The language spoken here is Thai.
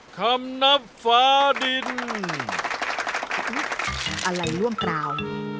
คำนับฟ้าดินอะไรร่วงเปล่า